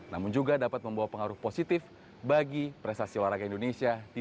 namun juga dapat membawa pengaruh positif bagi prestasi warga